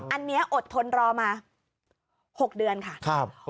อันนี้อดทนรอมา๖เดือนค่ะ